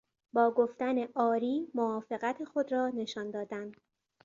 با گفتن "آری" موافقت خود را نشان دادن